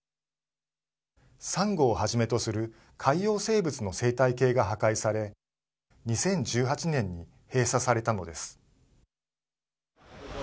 さんごをはじめとする海洋生物の生態系が破壊され２０１８年に閉鎖されたのです。